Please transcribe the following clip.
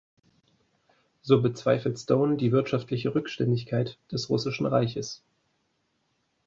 So bezweifelt Stone die wirtschaftliche Rückständigkeit des Russischen Reiches.